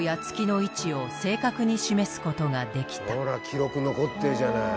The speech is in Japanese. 記録残ってるじゃない。